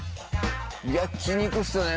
焼肉っすよね